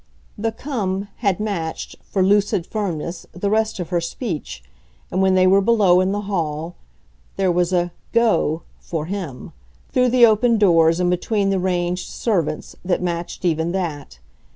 The "Come!" had matched, for lucid firmness, the rest of her speech, and, when they were below, in the hall, there was a "Go!" for him, through the open doors and between the ranged servants, that matched even that.